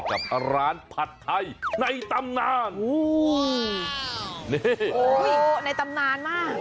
กับร้านผัดไทยในตำนานนี่โอ้ยในตำนานมาก